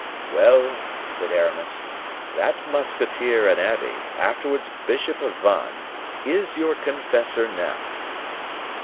"Well," said Aramis, "that musketeer and abbe, afterwards bishop of Vannes, is your confessor now."